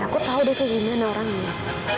aku tahu dia kayak gimana orangnya